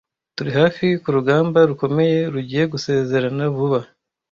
Turi hafi kurugamba rukomeye rugiye gusezerana vuba,